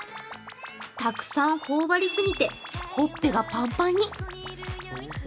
たくさんほおばりすぎてホッペがパンパンに。